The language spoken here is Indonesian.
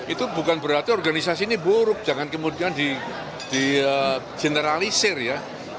itu bukan berarti organisasi ini buruk jangan kemudian di generalisir ya